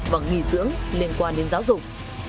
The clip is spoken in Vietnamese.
và nghỉ dưỡng liên quan đến giáo dục